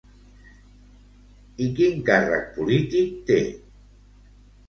I quin càrrec polític té?